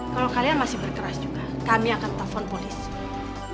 kalau kalian masih berkeras juga kami akan telpon polisi